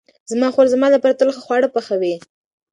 زما خور زما لپاره تل ښه خواړه پخوي.